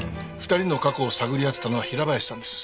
２人の過去を探り当てたのは平林さんです。